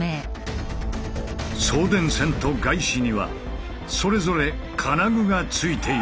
送電線とガイシにはそれぞれ金具が付いている。